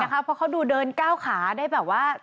ไม่เห็นนะครับเพราะเขาดูเดินก้าวขาได้แบบว่า